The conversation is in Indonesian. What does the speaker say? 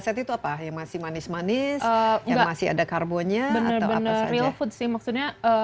saat itu apa yang masih manis manis yang masih ada karbonya atau apa saja bener bener real food sih maksudnya